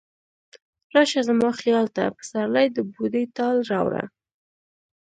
راشه زما خیال ته، پسرلی د بوډۍ ټال راوړه